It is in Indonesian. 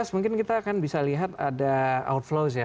dua ribu tujuh belas mungkin kita akan bisa lihat ada outflows ya